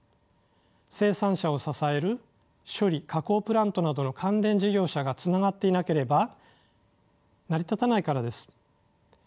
生産者を支える処理加工プラントなどの関連事業者がつながっていなければ成り立たないからです。